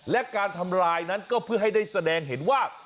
และการทำลายนั้นก็เพื่อให้ได้แสดงเห็นว่า